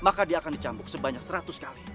maka dia akan dicambuk sebanyak seratus kali